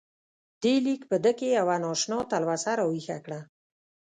دې لیک په ده کې یوه نا اشنا تلوسه راویښه کړه.